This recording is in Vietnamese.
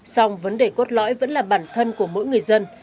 xong vấn đề cốt lõi vẫn là bản thân của mỗi người dân